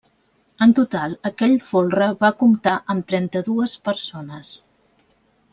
En total, aquell folre va comptar amb trenta-dues persones.